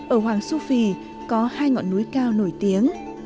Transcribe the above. ở hoàng su phi có hai ngọn núi cao nổi tiếng